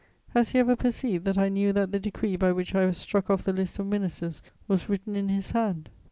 Has he ever perceived that I knew that the decree by which I was struck off the list of ministers was written in his hand?